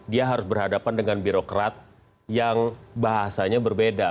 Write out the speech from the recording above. dia harus berhadapan dengan birokrat yang bahasanya berbeda